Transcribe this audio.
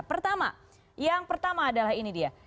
pertama yang pertama adalah ini dia